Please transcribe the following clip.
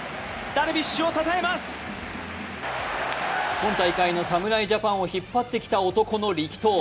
今大会の侍ジャパンを引っ張ってきた男の力投。